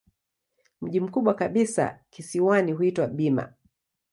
Mji mkubwa kabisa kisiwani huitwa Bima.